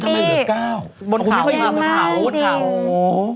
เฮ็ดชะปูนทำไมเหลือ๙บนเขามาเผาโอ้โฮ